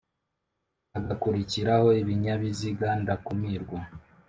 hagakurikiraho ibinyabiziga ndakumirwa